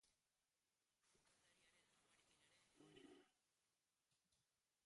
Sukaldariaren amarekin ere egon dira.